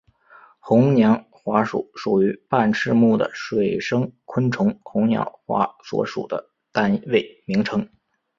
红娘华属属于半翅目的水生昆虫红娘华所属的单位名称。